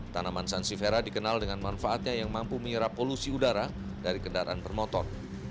tanaman sansifera dikenal dengan manfaatnya yang mampu menyerap polusi udara dari kendaraan bermotor